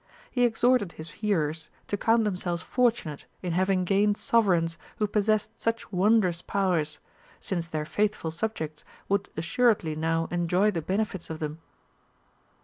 He exhorted his hearers to count themselves fortunate in having gained Sovereigns who possessed such wondrous powers, since their faithful subjects would assuredly now enjoy the benefits of them.